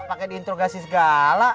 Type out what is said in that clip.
pakai diintrogasi segala